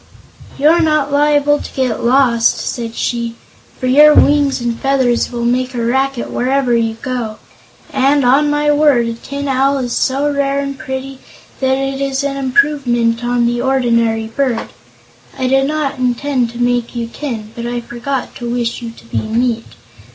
"You're not liable to get lost," said she, "for your wings and feathers will make a racket wherever you go. And, on my word, a Tin Owl is so rare and pretty that it is an improvement on the ordinary bird. I did not intend to make you tin, but I forgot to wish you to be meat.